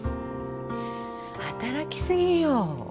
働きすぎよ。